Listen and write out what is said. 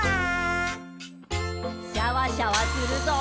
シャワシャワするぞ。